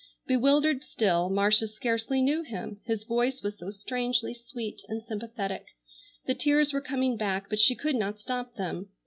Bewildered still, Marcia scarcely knew him, his voice was so strangely sweet and sympathetic. The tears were coming back, but she could not stop them.